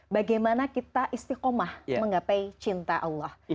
bagaimana kita istiqomah menggapai cinta allah